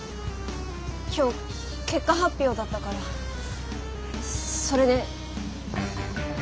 今日結果発表だったからそれで。